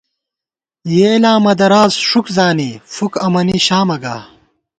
یېلاں مہ دراس ݭُک زانی، فُکہ امَنی شامہ گا